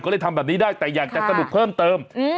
ก็เลยทำแบบนี้ได้แต่อยากจะสรุปเพิ่มเติม